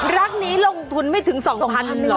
รักนี้ลงทุนไม่ถึง๒๐๐บาท